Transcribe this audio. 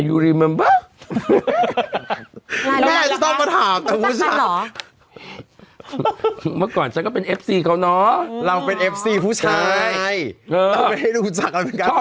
อืมเนี่ยพุกโกะ